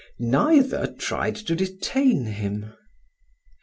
Neither tried to detain him.